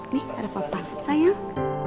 nih ada papa sayang